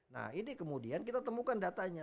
nah ini kemudian kita temukan datanya